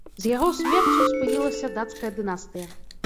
З яго смерцю спынілася дацкая дынастыя.